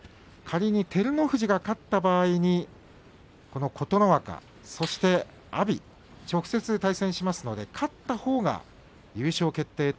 仮に照ノ富士が勝った場合にこの琴ノ若、そして阿炎直接対戦しますので勝ったほうが優勝決定